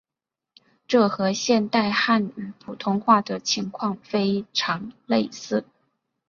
这和现代汉语普通话的情况非常类似。